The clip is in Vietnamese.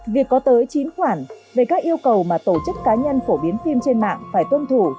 việc có tới chín khoản về các yêu cầu mà tổ chức cá nhân phổ biến phim trên mạng phải tuân thủ